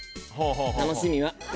楽しみは。